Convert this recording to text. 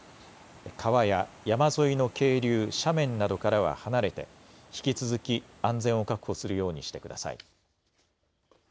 川や山沿いの渓流、斜面などからは離れて、引き続き、安全を確保するようにしてください。